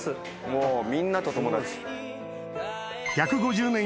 もうみんなと友達。